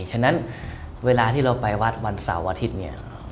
ฉะนั้นเวลาที่เราไปวัดวันเสาร์วันอาทิตย์